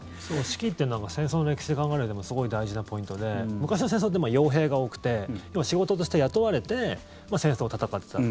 士気って戦争の歴史で考えるうえでもすごい大事なポイントで昔の戦争って傭兵が多くて仕事として雇われて戦争を戦ってた。